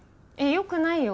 よくないよ。